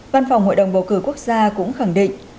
văn phòng hội đồng bầu cử quốc gia cũng khẳng định